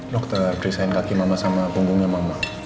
dokter desain kaki mama sama punggungnya mama